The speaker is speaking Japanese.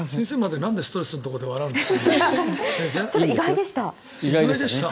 なんでストレスのところで笑うんですか。